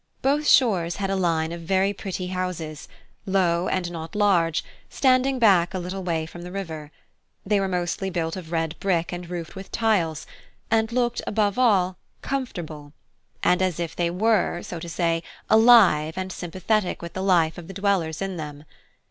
Both shores had a line of very pretty houses, low and not large, standing back a little way from the river; they were mostly built of red brick and roofed with tiles, and looked, above all, comfortable, and as if they were, so to say, alive, and sympathetic with the life of the dwellers in them.